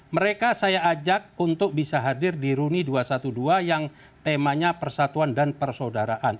mereka saya ajak untuk bisa hadir di runi dua ratus dua belas yang temanya persatuan dan persaudaraan